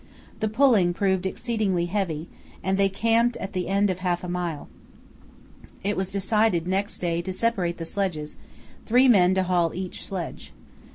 The pulling proved exceedingly heavy, and they camped at the end of half a mile. It was decided next day to separate the sledges, three men to haul each sledge.